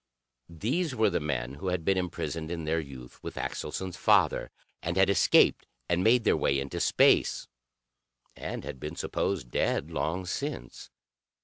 These were the men who had been imprisoned in their youth, with Axelson's father, and had escaped and made their way into space, and had been supposed dead long since.